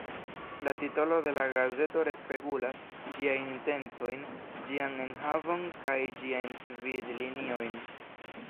La titolo de la gazeto respegulas ĝiajn intencojn, ĝian enhavon kaj ĝiajn gvid-liniojn.